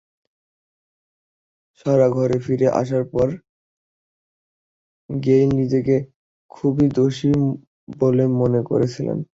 সারা ঘরে ফিরে আসার পর, গেইল নিজেকে খুবই দোষী বলে মনে করেছিলেন।